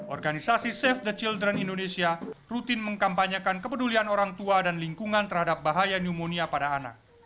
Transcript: organisasi save the children indonesia rutin mengkampanyekan kepedulian orang tua dan lingkungan terhadap bahaya pneumonia pada anak